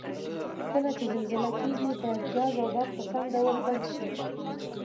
کله چې زلزله کیږي باید ګاز او برق په سم ډول بند شي؟